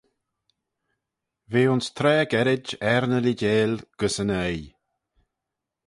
V'eh ayns traa gerrid er ny leeideil gys yn oaie.